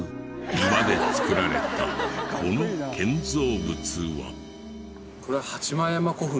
岩で造られたこの建造物は。